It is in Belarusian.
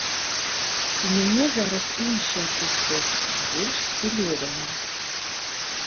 У мяне зараз іншая прычоска, больш стылёвая.